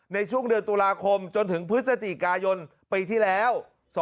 ในช่วงเดือนตุลาคมจนถึงพฤศจิกายนปีที่แล้ว